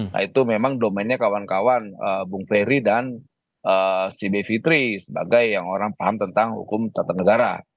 nah itu memang domennya kawan kawan bung ferry dan si b fitri sebagai yang orang paham tentang hukum tata negara